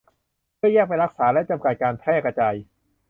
เพื่อแยกไปรักษาและจำกัดการแพร่กระจาย